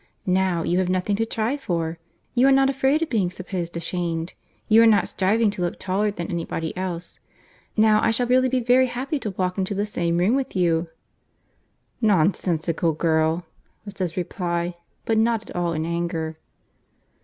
Now you have nothing to try for. You are not afraid of being supposed ashamed. You are not striving to look taller than any body else. Now I shall really be very happy to walk into the same room with you." "Nonsensical girl!" was his reply, but not at all in anger.